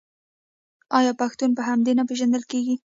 آیا پښتون په همدې نه پیژندل کیږي؟